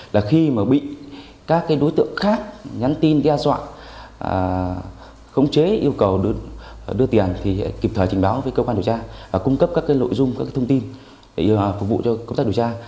vì các đối tượng khác nhắn tin đe dọa khống chế yêu cầu đưa tiền thì kịp thời trình báo với cơ quan điều tra và cung cấp các nội dung các thông tin để phục vụ cho công tác điều tra